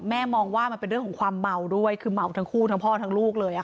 มองว่ามันเป็นเรื่องของความเมาด้วยคือเมาทั้งคู่ทั้งพ่อทั้งลูกเลย